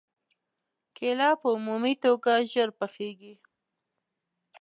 کېله په عمومي توګه ژر پخېږي.